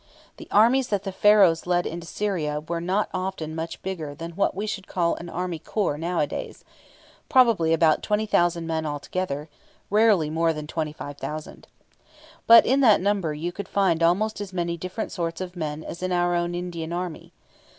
The armies that the Pharaohs led into Syria were not often much bigger than what we should call an army corps nowadays probably about 20,000 men altogether, rarely more than 25,000. But in that number you could find almost as many different sorts of men as in our own Indian army.